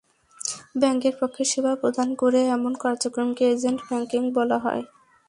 ব্যাংকের পক্ষে সেবা প্রদান করে এমন কার্যক্রমকে এজেন্ট ব্যাংকিং বলা হয়।